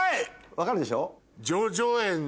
分かるでしょ？